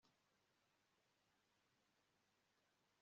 umuryango wa makiri watanze abatware